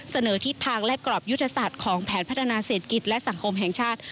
เสนอทิศทางและกรอบยุทธศาสตร์ของแผนพัฒนาเศรษฐกิจและสังคมแห่งชาติ